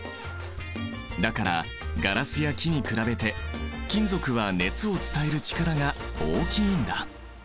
だからガラスや木に比べて金属は熱を伝える力が大きいんだ。